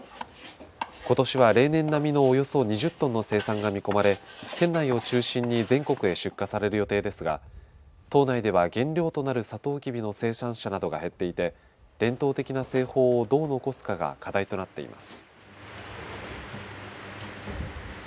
ことしは例年並みのおよそ２０トンの生産が見込まれ県内を中心に全国へ出荷される予定ですが島内では原料となるさとうきびの生産者などが減っていて伝統的な製法をどう残すかが課題となっています。